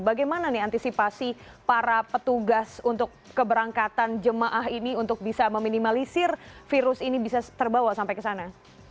bagaimana nih antisipasi para petugas untuk keberangkatan jemaah ini untuk bisa meminimalisir virus ini bisa terbawa sampai ke sana